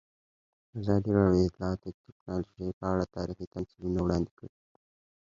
ازادي راډیو د اطلاعاتی تکنالوژي په اړه تاریخي تمثیلونه وړاندې کړي.